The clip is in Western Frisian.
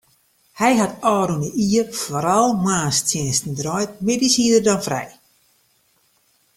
Hy hat ôfrûne jier foaral moarnstsjinsten draaid, middeis hie er dan frij.